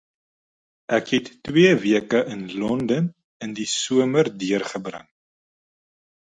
Ek het twee weke in Londen in die somer deurgebring